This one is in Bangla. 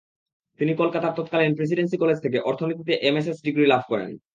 তিনি কলকাতার তৎকালীন প্রেসিডেন্সি কলেজ থেকে অর্থনীতিতে এমএসএস ডিগ্রি লাভ করেন।